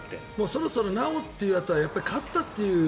そろそろ「なお」と言うあとは勝ったという。